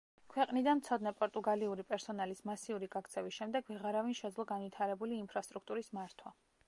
ქვეყნიდან მცოდნე პორტუგალიური პერსონალის მასიური გაქცევის შემდეგ ვეღარავინ შეძლო განვითარებული ინფრასტრუქტურის მართვა.